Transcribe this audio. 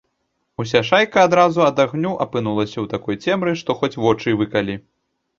Уся шайка адразу ад агню апынулася ў такой цемры, што хоць вочы выкалі.